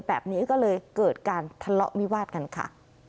แบบนี้ก็เลยเกิดการทะเลาะวิวาดกันค่ะ